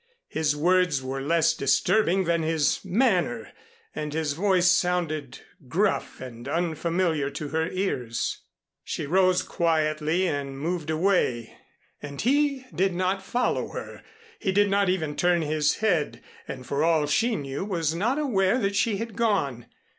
His words were less disturbing than his manner, and his voice sounded gruff and unfamiliar to her ears. She rose quietly and moved away, and he did not follow her. He did not even turn his head and for all she knew was not aware that she had gone.